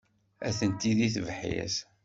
Atenti deg tebḥirt.